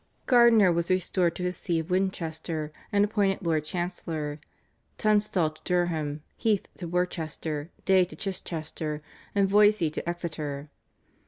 Gardiner was restored to his See of Winchester, and appointed Lord Chancellor, Tunstall to Durham, Heath to Worcester, Day to Chichester, and Voysey to Exeter.